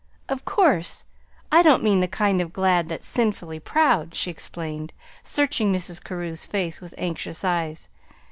"Of course I don't mean the kind of glad that's sinfully proud," she explained, searching Mrs. Carew's face with anxious eyes.